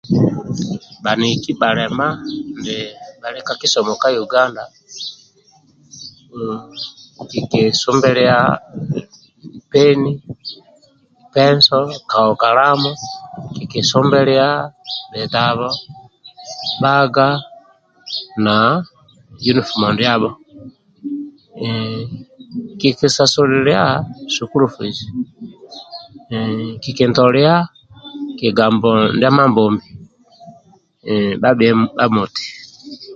Bhaniki bhalema bhali ka kisomo ka uganda kiki nsubilya peni penso kalamu kiki nsumbilya bhitabho baga na uniform ndyabho kikinsasulilya sukulu fizi kikintoliya kigambo ndia amambombi bhahhe nkpa moti